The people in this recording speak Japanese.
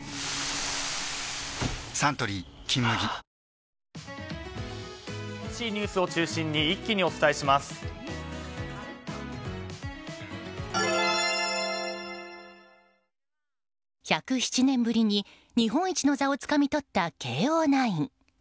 サントリー「金麦」１０７年ぶりに日本一の座をつかみ取った慶應ナイン。